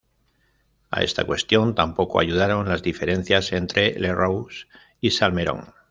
A esta cuestión tampoco ayudaron las diferencias entre Lerroux y Salmerón.